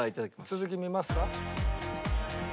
続き見ますか。